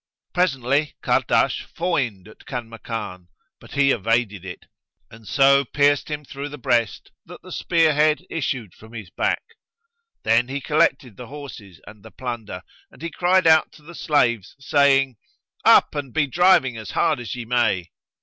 Presently Kahrdash foined at Kanmakan; but he evaded it and rejoined upon him and so pierced him through the breast that the spearhead issued from his back. Then he collected the horses and the plunder, and he cried out to the slaves, saying, "Up and be driving as hard as ye may!"